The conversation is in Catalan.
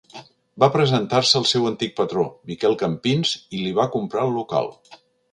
Va presentar-se al seu antic patró, Miquel Campins, i li va comprar el local.